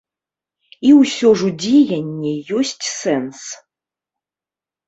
І ўсё ж у дзеянні ёсць сэнс.